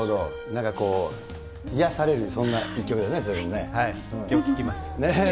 なんかこう、癒やされる、そんな一曲だね、きょう、聴きます。